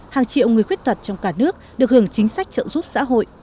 hàng triệu người khuyết tật trong cả nước được hưởng chính sách trợ giúp xã hội